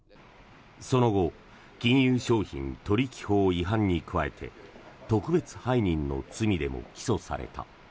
その後金融商品取引法違反に加えて特別背任の罪でも起訴された。